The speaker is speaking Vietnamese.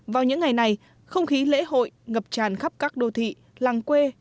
vào những ngày này không khí lễ hội ngập tràn khắp các đô thị làng quê